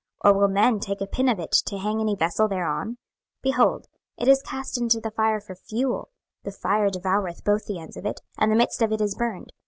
or will men take a pin of it to hang any vessel thereon? 26:015:004 Behold, it is cast into the fire for fuel; the fire devoureth both the ends of it, and the midst of it is burned.